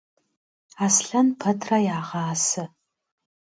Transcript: Аслъэн пэтрэ ягъасэ.